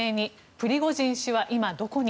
プリゴジン氏は今、どこに？